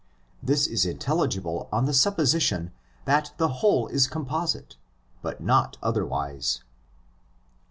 This is intelligible on the sup position that the whole is composite, but not otherwise.!